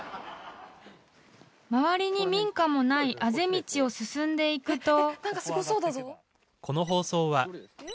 ［周りに民家もないあぜ道を進んでいくと］